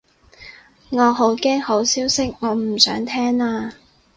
我好驚好消息，我唔想聽啊